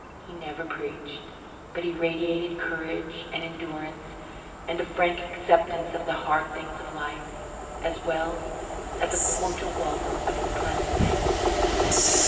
He never preached, but he radiated courage and endurance and a frank acceptance of the hard things of life, as well as a cordial welcome of its pleasant things.